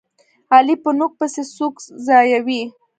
علي په نوک پسې سوک ځایوي.